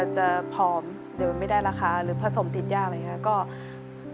จะผอมเดี๋ยวมันไม่ได้ราคาหรือผสมติดยากอะไรอย่างนี้